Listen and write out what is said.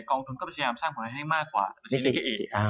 กองทุนก็สามารถให้ราคามากกว่ายิ่ง